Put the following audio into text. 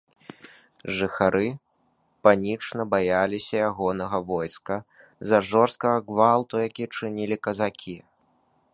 Жыхары панічна баяліся ягонага войска з-за жорсткага гвалту, які чынілі казакі.